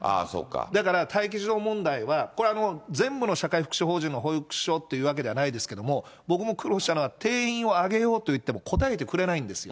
だから、待機児童問題は、これ、全部の社会福祉法人の保育所っていうわけじゃないですけど、僕も苦労したのは、定員を上げようといっても応えてくれないんですよ。